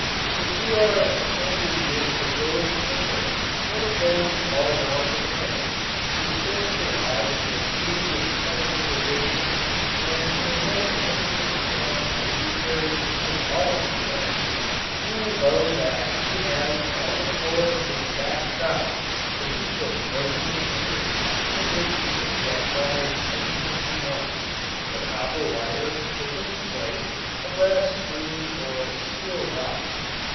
If you are acquainted with a village tinker, one of those all round mechanics who still survive in this age of specialization and can mend anything from a baby carriage to an automobile, you will know that he has on the floor of his back shop a heap of broken machinery from which he can get almost anything he wants, a copper wire, a zinc plate, a brass screw or a steel rod.